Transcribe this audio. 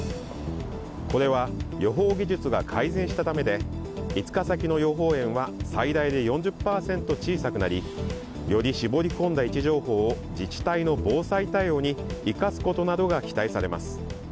これは、予報技術が改善したためで５日先の予報円は最大で４０％小さくなりより絞り込んだ位置情報を自治体の防災対応に生かすことなどが期待されます。